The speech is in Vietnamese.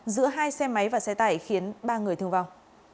giữa hai xe máy và xe tải khiến ba người thương vong